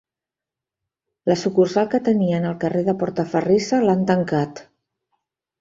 La sucursal que tenien al carrer de Portaferrissa l'han tancat.